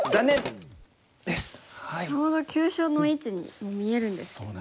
ちょうど急所の位置に見えるんですけどね。